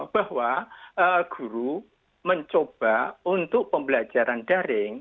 bahwa guru mencoba untuk pembelajaran daring